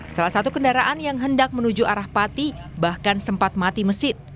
salah satu kendaraan yang hendak menuju arah pati bahkan sempat mati mesin